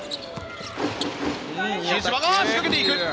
比江島が仕掛けていく。